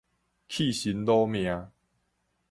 氣身惱命